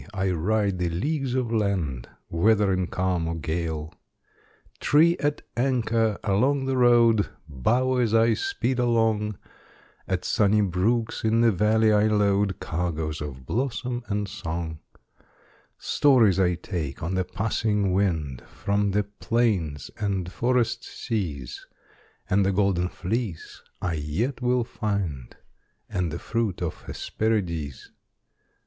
I ride the leagues of land. Whether in calm or gale. 38 Preparedness Trees at anchor along the road Bow as I speed along; At sunny brooks in the valley I load Cargoes of blossom and song; Stories I take on the passing wind From the plains and forest seas, And the Golden Fleece I yet will find, And the fruit of Hesperides.